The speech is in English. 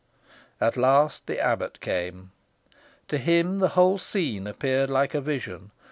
At length the abbot came. To him the whole scene appeared like a vision.